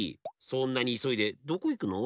そんなにいそいでどこいくの？